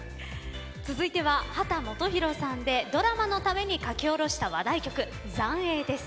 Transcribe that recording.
続いては秦基博さんでドラマのために書き下ろした話題曲「残影」です。